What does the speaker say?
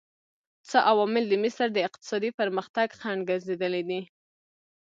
څه عوامل د مصر د اقتصادي پرمختګ خنډ ګرځېدلي دي؟